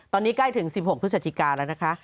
ตอนนี้ใกล้ถึง๑๖พฤศจิกาแล้วนะคะ